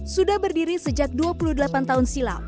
sudah berdiri sejak dua puluh delapan tahun silam